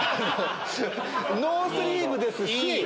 ノースリーブですし。